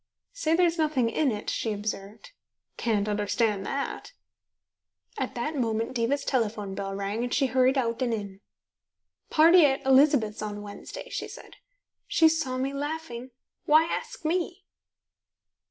"Say there's nothing in it?" she observed. "Can't understand that." At that moment Diva's telephone bell rang, and she hurried out and in. "Party at Elizabeth's on Wednesday," she said. "She saw me laughing. Why ask me?"